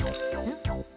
ん？